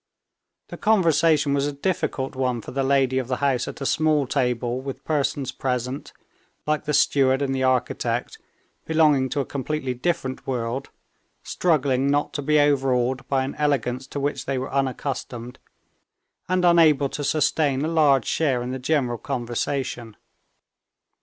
The conversation was a difficult one for the lady of the house at a small table with persons present, like the steward and the architect, belonging to a completely different world, struggling not to be overawed by an elegance to which they were unaccustomed, and unable to sustain a large share in the general conversation.